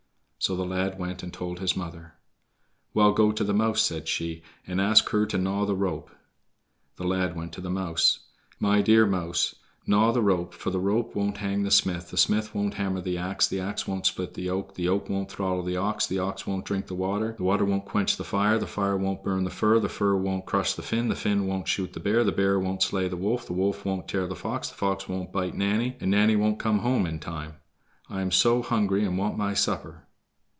So the lad went and told his mother. "Well, go to the mouse," said she, "and ask her to gnaw the rope." The lad went to the mouse. "My dear mouse, gnaw the rope, for the rope won't hang the smith, the smith won't hammer the ax, the ax won't split the yoke, the yoke won't throttle the ox, the ox won't drink the water, the water won't quench the fire, the fire won't burn the fir, the fir won't crush the Finn, the Finn won't shoot the bear, the bear won't slay the wolf, the wolf won't tear the fox, the fox won't bite Nanny, and Nanny won't come home in time. I am so hungry and want my supper."